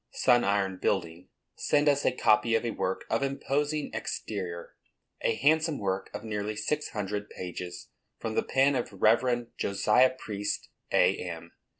Sun Iron Building, send us a copy of a work of imposing exterior, a handsome work of nearly six hundred pages, from the pen of Rev. Josiah Priest, A.M.